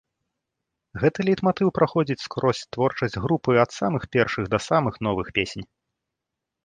Гэты лейтматыў праходзіць скрозь творчасць групы, ад самых першых да самых новых песень.